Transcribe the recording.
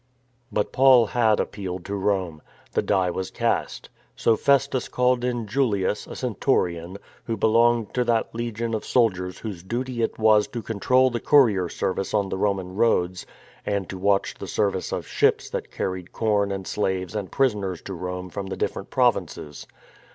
But Paul had appealed to Rome. The die was cast. So Festus called in Julius, a centurion, who belonged to that legion of soldiers whose duty it was to control the courier service on the Roman roads and to watch the service of ships that carried corn and slaves and prisoners to Rome from the different prov inces.